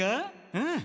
うん。